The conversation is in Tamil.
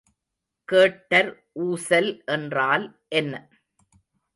கேட்டர் ஊசல் என்றால் என்ன?